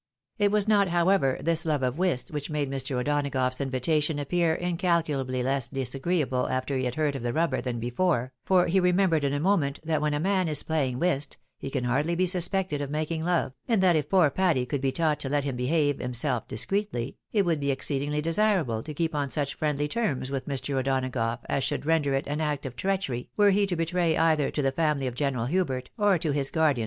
It was not, however, this love of whist which made Mr. O'Donagough's invitation appear incalculably less disagreeable after he had heard of the rubber, than before, for he remembered in a moment that when a man is playing whist, he can hardly be suspected of making love, and that if poor Patty could be taught to let him behave himself discreetly, it would be exceed ingly desirable to keep on such friendly terms with Mr. O'Dona gough as should render it an act of treachery were he to betray either to the family of General Hubert, or to his guardian.